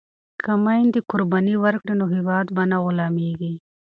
که میندې قرباني ورکړي نو هیواد به نه غلامیږي.